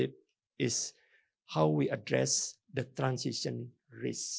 adalah bagaimana kita menangani risiko transisi